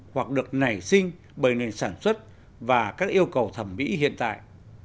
hoặc được nảy sinh bởi nền sản xuất và các yêu cầu thẩm mỹ hiện tại